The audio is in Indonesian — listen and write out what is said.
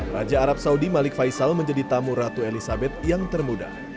raja arab saudi malik faisal menjadi tamu ratu elizabeth yang termuda